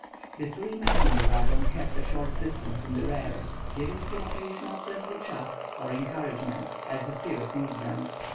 The three men in the wagon kept a short distance in the rear, giving him occasional friendly "chaff" or encouragement, as the spirit moved them.